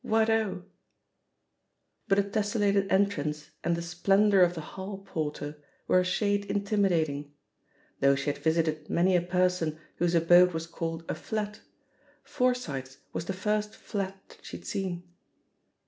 "What hoi" But a tessellated entrance and the splendour ,THE POSITION OP PEGGY HAHPER «« of the hall porter were a shade intimidating. Though she had visited many a person whose abode was called a *'flat/* Forsyth's was the first flat that she had seen.